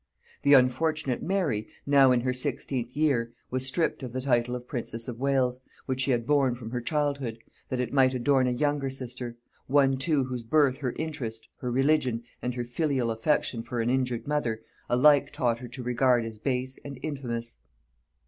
The unfortunate Mary, now in her sixteenth year, was stripped of the title of princess of Wales, which she had borne from her childhood, that it might adorn a younger sister; one too whose birth her interest, her religion, and her filial affection for an injured mother, alike taught her to regard as base and infamous.